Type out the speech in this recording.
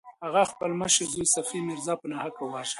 هغه خپل مشر زوی صفي میرزا په ناحقه وواژه.